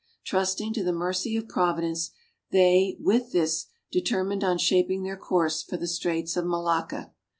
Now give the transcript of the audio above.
Trusting to the mercy of Providence, they with this, determined on shaping their course for the straits of Malacca.